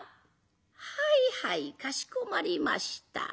「はいはいかしこまりました。